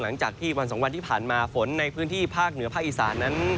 หลังจากวันสองวันที่ผ่านมาฝนในพื้นที่ภาคเหนือภาคอีสานนั้น